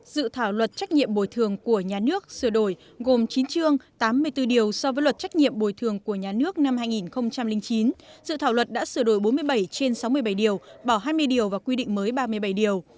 dự thảo luật trách nhiệm bồi thường của nhà nước sửa đổi gồm chín chương tám mươi bốn điều so với luật trách nhiệm bồi thường của nhà nước năm hai nghìn chín dự thảo luật đã sửa đổi bốn mươi bảy trên sáu mươi bảy điều bỏ hai mươi điều và quy định mới ba mươi bảy điều